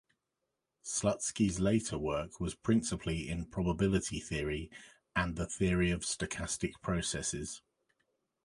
Slutsky's later work was principally in probability theory and the theory of stochastic processes.